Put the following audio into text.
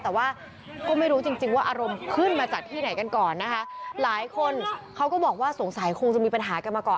แต่ว่าก็ไม่รู้จริงจริงว่าอารมณ์ขึ้นมาจากที่ไหนกันก่อนนะคะหลายคนเขาก็บอกว่าสงสัยคงจะมีปัญหากันมาก่อน